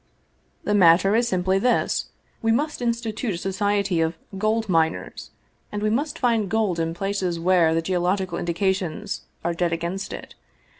"The matter is simply this: we must institute a society of ' gold miners/ and we must find gold in places where the geological indications are dead against it.